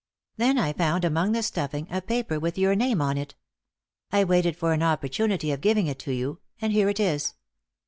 Then I found among the stuffing a paper with your name on it. I waited for an opportunity of giving it to you, and here it is."